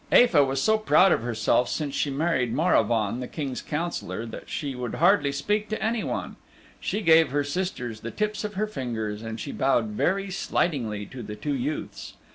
Aefa was so proud of herself since she married Maravaun the King's Councillor that she would hardly speak to anyone. She gave her sisters the tips of her fingers and she bowed very slightingly to the two youths.